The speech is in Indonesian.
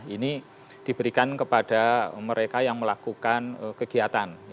ini diberikan kepada mereka yang melakukan kegiatan